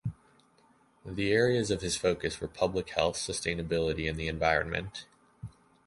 The areas of his focus were public health, sustainability, and the environment.